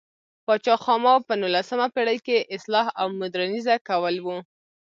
پاچا خاما په نولسمه پېړۍ کې اصلاح او مودرنیزه کول و.